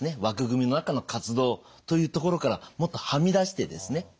枠組みの中の活動というところからもっとはみ出してですね